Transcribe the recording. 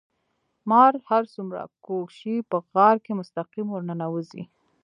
مار هر څومره کوږ شي په غار کې مستقيم ورننوزي.